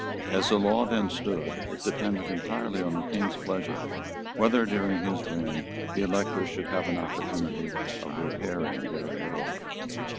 As the law then stood, it depended entirely on the King's pleasure whether, during his reign, the electors should have an opportunity of repairing their error.